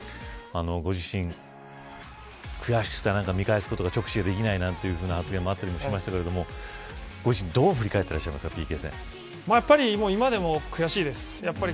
ご自身悔しくて見返すことが直視できないという発言もありましたがどう振り返ってらっしゃいますかＰＫ戦。